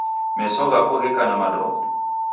Meso ghako gheka na madongo